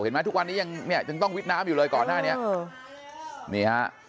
เห็นไหมทุกวันนี้ยังต้องวิทยาลัยน้ำอยู่เลยก่อนหน้านี้